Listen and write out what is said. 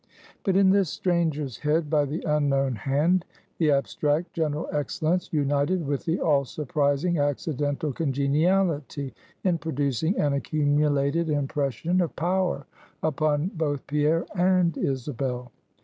But in this Stranger's Head by the Unknown Hand, the abstract general excellence united with the all surprising, accidental congeniality in producing an accumulated impression of power upon both Pierre and Isabel.